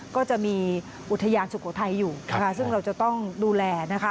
ก็จะมีอุทยานสุโขทัยอยู่นะคะซึ่งเราจะต้องดูแลนะคะ